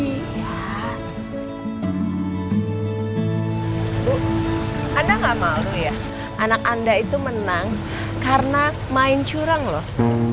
ibu anda gak malu ya anak anda itu menang karena main curang loh